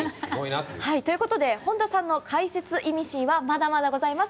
ということで本田さんの解説イミシンはまだまだございます。